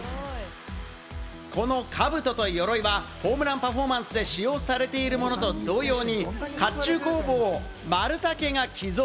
この兜と鎧はホームランパフォーマンスで使用されているものと同様に甲冑工房丸武が寄贈。